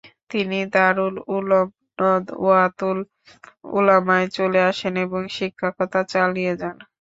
তিনি দারুল উলুম নদওয়াতুল উলামায় চলে আসেন এবং শিক্ষকতা চালিয়ে যান।